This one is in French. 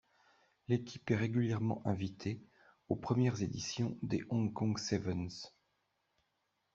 L'équipe est régulièrement invitée aux premières éditions des Hong Kong Sevens.